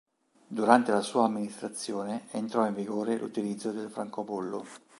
Durante la sua amministrazione entrò in vigore l'utilizzo del francobollo.